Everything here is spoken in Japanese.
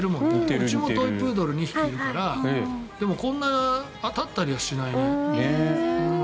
うちもトイプードル２匹いるからでも、こんな立ったりはしないね。